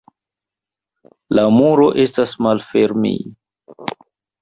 La muro estas malfermij.